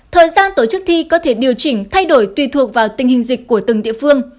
thời gian tổ chức thi có thể điều chỉnh thay đổi tùy thuộc vào tình hình dịch của từng địa phương